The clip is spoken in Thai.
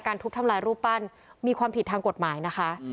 ทุบทำลายรูปปั้นมีความผิดทางกฎหมายนะคะ